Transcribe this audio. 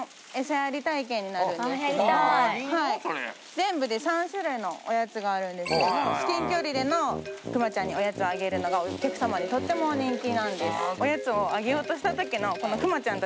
全部で３種類のおやつがあるんですけども至近距離でのクマちゃんにおやつをあげるのがお客様にとっても人気なんですあっ